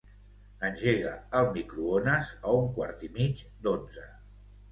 Engega el microones a un quart i mig d'onze.